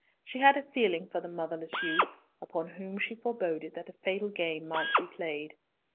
She had a feeling for the motherless youth, upon whom she foreboded that a fatal game might be played.